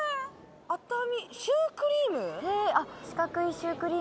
熱海シュークリーム？